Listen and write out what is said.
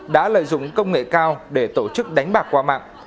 đã lợi dụng công nghệ cao để tổ chức đánh bạc qua mạng